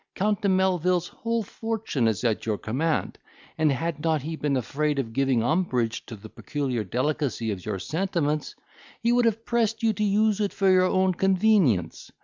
Count de Melvil's whole fortune is at your command; and had not he been afraid of giving umbrage to the peculiar delicacy of your sentiments, he would have pressed you to use it for your convenience.